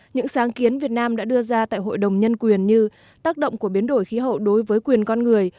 những sáng kiến việt nam đã đưa ra tại hội đồng nhân quyền như tác động của biến đổi khí hậu đối với quyền con người